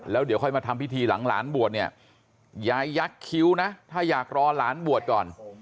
แล้วเดี๋ยวค่อยมาทำพิธีหลังหลานบวชเนี่ยยายยักษ์คิ้วนะถ้าอยากรอหลานบวชก่อน